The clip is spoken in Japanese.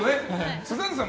スザンヌさん